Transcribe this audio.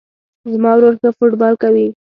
زما ورور ښه فوټبال کوی